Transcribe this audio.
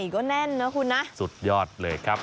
ขอบคุณนะสุดยอดเลยครับ